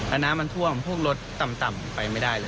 แล้วน้ำมันท่วมพวกรถต่ำไปไม่ได้เลย